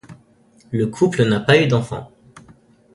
Le couple n'a pas eu d'enfants.